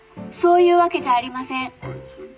「そういうわけじゃありません」。